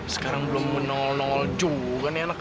sekarang belum juga nih anak